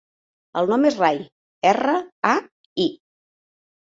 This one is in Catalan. El nom és Rai: erra, a, i.